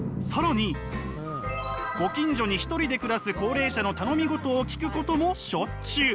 ご近所に一人で暮らす高齢者の頼みごとを聞くこともしょっちゅう。